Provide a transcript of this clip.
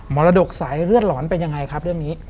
รดกสายเลือดหลอนเป็นยังไงครับเรื่องนี้